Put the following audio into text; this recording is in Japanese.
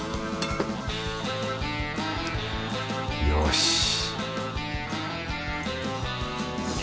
よし